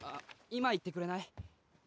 今言ってくれない？